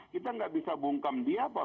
kita nggak bisa bungkam dia pak